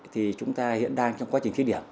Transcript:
thì chúng ta hiện đang trong quá trình thí điểm